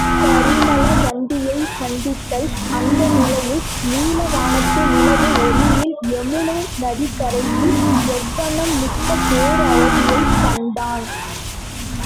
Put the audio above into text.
பரிமளகந்தியைச் சந்தித்தல் அந்த நிலையில் நீலவானத்து நிலவு ஒளியில் யமுனை நதிக்கரையில் யவ்வனம் மிக்க பேரழகியைக் கண்டான்.